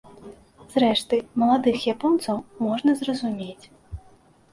Зрэшты, маладых японцаў можна зразумець.